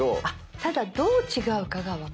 ただどう違うかが分からない。